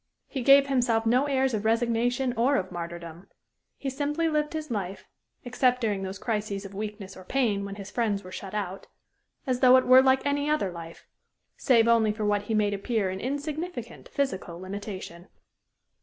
He gave himself no airs of resignation or of martyrdom. He simply lived his life except during those crises of weakness or pain when his friends were shut out as though it were like any other life, save only for what he made appear an insignificant physical limitation.